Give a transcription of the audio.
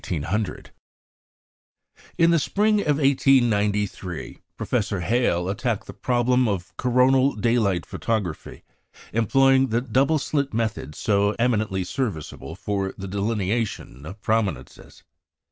In the spring of 1893, Professor Hale attacked the problem of coronal daylight photography, employing the "double slit" method so eminently serviceable for the delineation of prominences.